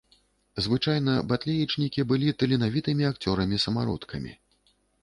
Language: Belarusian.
Звычайна, батлеечнікі былі таленавітымі акцёрамі-самародкамі.